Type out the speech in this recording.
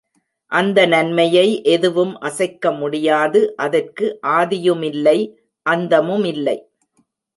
அந்த நன்மையை எதுவும் அசைக்க முடியாது அதற்கு ஆதியுமில்லை, அந்தமுமில்லை.